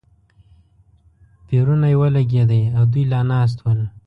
پېرونی ولګېدې او دوی لا ناست ول.